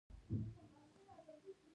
مسلکي توب څه ته وایي؟